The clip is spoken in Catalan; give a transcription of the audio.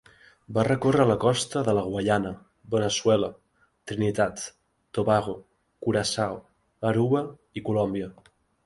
Va recórrer la costa de la Guaiana, Veneçuela, Trinitat, Tobago, Curaçao, Aruba i Colòmbia.